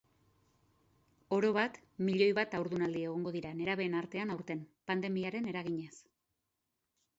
Orobat, milioi bat haurdunaldi egongo dira nerabeen artean aurten, pandemiaren eraginez.